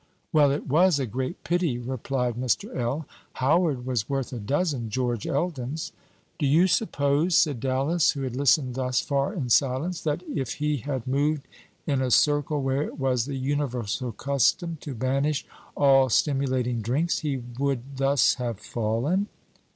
"Well, it was a great pity," replied Mr. L.; "Howard was worth a dozen George Eldons." "Do you suppose," said Dallas, who had listened thus far in silence, "that if he had moved in a circle where it was the universal custom to banish all stimulating drinks, he would thus have fallen?"